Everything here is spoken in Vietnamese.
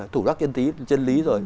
thủ đắc chân lý rồi